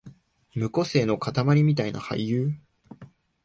無個性のかたまりみたいな俳優